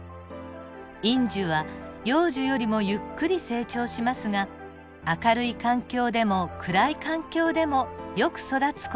陰樹は陽樹よりもゆっくり成長しますが明るい環境でも暗い環境でもよく育つ事ができます。